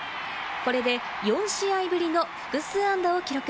これで４試合ぶりの複数安打を記録。